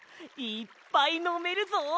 いっぱいのめるぞ！